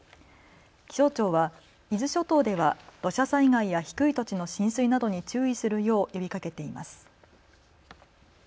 気象庁は伊豆諸島では土砂災害や低い土地の浸水などに注意するよう呼びかけています。